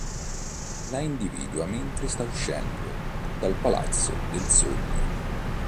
La individua mentre sta uscendo dal palazzo del Sogno.